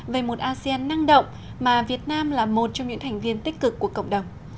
về một asean năng động mà việt nam là một trong những thành viên tích cực của cộng đồng